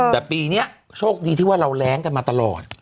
แต่ปีนี้โชคดีที่ว่าเราแรงกันมาตลอด